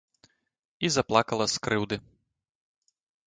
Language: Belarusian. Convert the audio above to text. І заплакала з крыўды.